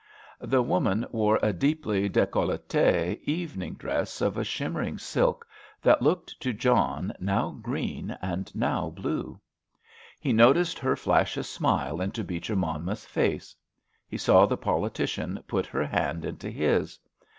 The woman wore a deeply decollété evening dress of a shimmering silk that looked to John now green and now blue. He noticed her flash a smile into Beecher Monmouth's face. He saw the politician put her hand into his.